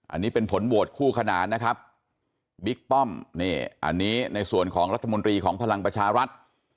อันนี้เป็นผลโหวตคู่ขนานนะครับบิ๊กป้อมนี่อันนี้ในส่วนของรัฐมนตรีของพลังประชารัฐ